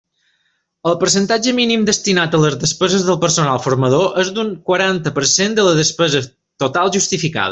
El percentatge mínim destinat a les despeses del personal formador és d'un quaranta per cent de la despesa total justificada.